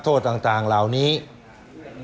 ก็ต้องชมเชยเขาล่ะครับเดี๋ยวลองไปดูห้องอื่นต่อนะครับ